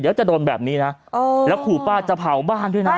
เดี๋ยวจะโดนแบบนี้นะแล้วขู่ป้าจะเผาบ้านด้วยนะ